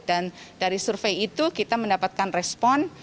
dan dari survei itu kita mendapatkan respon